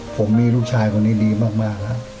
ผมมีลูกชายคนนี้ดีมากแล้ว